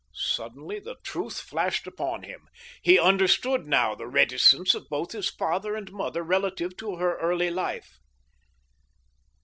Suddenly the truth flashed upon him. He understood now the reticence of both his father and mother relative to her early life.